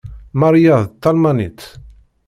Mariya d talmanit.